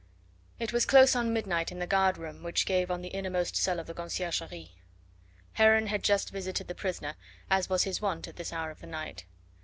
It was close on midnight in the guard room which gave on the innermost cell of the Conciergerie. Heron had just visited the prisoner as was his wont at this hour of the night.